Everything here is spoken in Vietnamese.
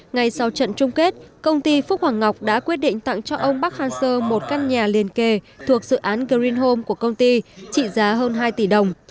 ngay sau trận chung kết công ty phúc hoàng ngọc đã quyết định tặng cho ông park han seo một căn nhà liền kề thuộc dự án green home của công ty trị giá hơn hai tỷ đồng